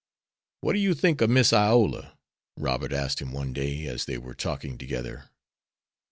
"What do you think of Miss Iola?" Robert asked him one day, as they were talking together.